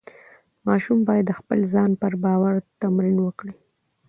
ماشوم باید د خپل ځان پر باور تمرین وکړي.